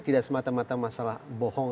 tidak semata mata masalah bohong